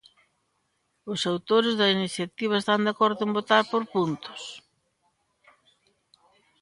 ¿Os autores da iniciativa están de acordo en votar por puntos?